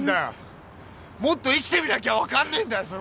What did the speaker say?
もっと生きてみなきゃ分かんねえんだそういうことは！